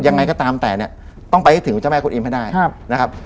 ยังไงก็ตามแต่เนี่ยต้องไปให้ถึงเจ้าแม่คุณอิมให้ได้นะครับ